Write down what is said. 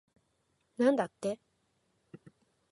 なんだって